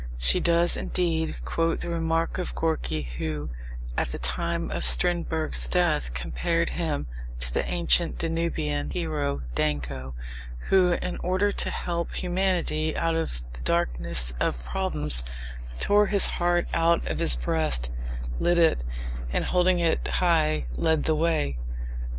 She does, indeed, quote the remark of Gorki, who, at the time of Strindberg's death, compared him to the ancient Danubian hero, Danko, "who, in order to help humanity out of the darkness of problems, tore his heart out of his breast, lit it, and holding it high, led the way."